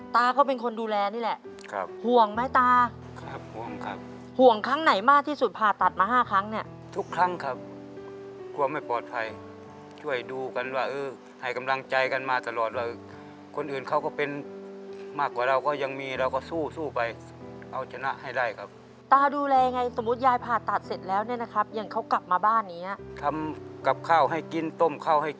มีความรู้สึกว่ามีความรู้สึกว่ามีความรู้สึกว่ามีความรู้สึกว่ามีความรู้สึกว่ามีความรู้สึกว่ามีความรู้สึกว่ามีความรู้สึกว่ามีความรู้สึกว่ามีความรู้สึกว่ามีความรู้สึกว่ามีความรู้สึกว่ามีความรู้สึกว่ามีความรู้สึกว่ามีความรู้สึกว่ามีความรู้สึกว